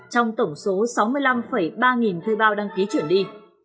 trong tổng số sáu mươi năm ba nghìn thuê bao đăng ký chuyển đi